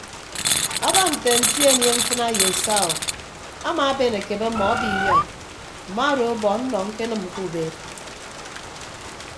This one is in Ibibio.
Aba nte anti anie mfịna ye saa o amaaben akebe ọmọ abiinyọñ mma odo ọbọ ọnnọ ñkenịm ke ubeed.